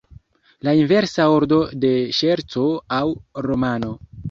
La inversa ordo de ŝerco aŭ romano.